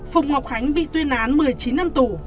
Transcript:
phùng ngọc khánh bị tuyên án một mươi chín năm tù